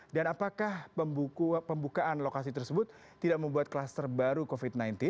dan apakah pembukaan lokasi tersebut tidak membuat kluster baru covid sembilan belas